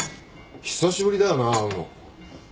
久しぶりだよな会うの。